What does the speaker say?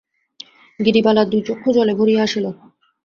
গিরিবালার দুই চক্ষু জলে ভরিয়া আসিল।